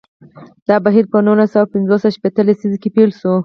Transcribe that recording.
دا بهیر په نولس سوه پنځوس او شپیته لسیزو کې پیل شو.